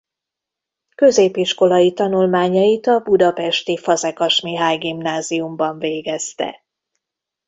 Középiskolai tanulmányait a budapesti Fazekas Mihály Gimnáziumban végezte.